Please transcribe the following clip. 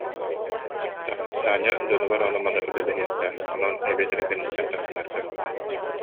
Таня дьонугар ону-маны үлэлэһиэхтээх, онон эбиэт эрэ кэнниттэн тахсыһар кыахтаах